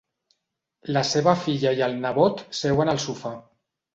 La seva filla i el nebot seuen al sofà.